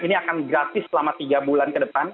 ini akan gratis selama tiga bulan ke depan